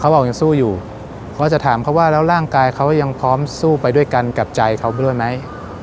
บอกยังสู้อยู่เขาจะถามเขาว่าแล้วร่างกายเขายังพร้อมสู้ไปด้วยกันกับใจเขาไปด้วยไหม